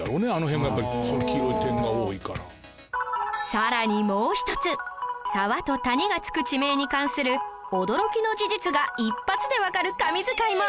更にもう１つ「沢」と「谷」が付く地名に関する驚きの事実が一発でわかる神図解も